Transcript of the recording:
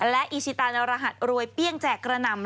และอีชิตานรหัสรวยเปรี้ยงแจกกระหน่ำ